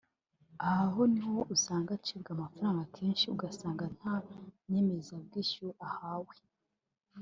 aha ho ni ho usanga acibwa amafaranga akenshi ugasanga nta nyemezabwishyu ahawe